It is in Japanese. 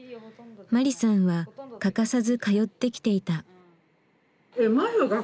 マリさんは欠かさず通ってきていた。